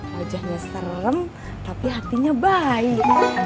wajahnya serem tapi hatinya baik